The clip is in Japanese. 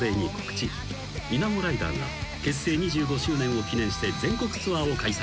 ［１７５Ｒが結成２５周年を記念して全国ツアーを開催］